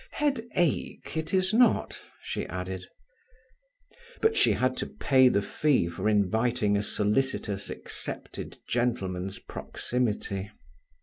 "Headache it is not," she added. But she had to pay the fee for inviting a solicitous accepted gentleman's proximity.